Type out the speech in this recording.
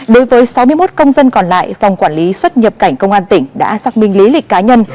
đối với sáu mươi một công dân còn lại phòng quản lý xuất nhập cảnh công an tỉnh đã xác minh lý lịch cá nhân